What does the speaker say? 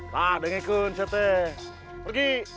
nah bengikun siate pergi